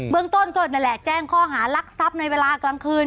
เมืองต้นก็นั่นแหละแจ้งข้อหารักทรัพย์ในเวลากลางคืน